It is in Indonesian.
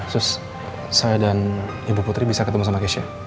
sus saya dan ibu putri bisa ketemu sama keisha